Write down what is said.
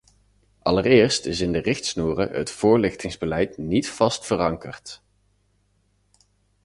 Allereerst is in de richtsnoeren het voorlichtingsbeleid niet vast verankerd.